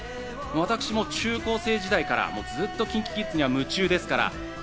私も中高生時代からずっとＫｉｎＫｉＫｉｄｓには夢中ですから。